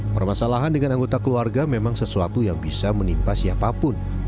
permasalahan dengan anggota keluarga memang sesuatu yang bisa menimpa siapapun